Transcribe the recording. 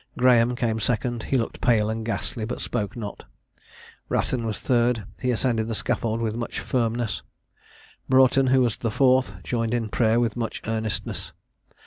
Graham came second; he looked pale and ghastly, but spoke not; Wratton was the third; he ascended the scaffold with much firmness. Broughton, who was the fourth, joined in prayer with much earnestness.